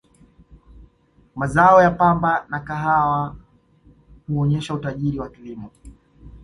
mazao ya pamba na kahawa huonesha utajiri wa kilimo